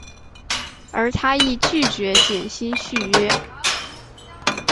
而他亦拒绝减薪续约。